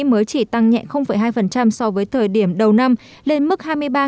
mới chỉ tăng nhẹ hai so với thời điểm đầu năm lên mức hai mươi ba hai trăm linh một đồng một đô la mỹ